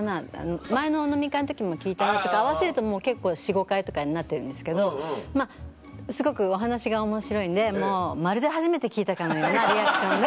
前の飲み会の時にも聞いたなとか合わせると結構４５回とかになってるんですけどすごくお話が面白いんでまるで初めて聞いたかのようなリアクションで。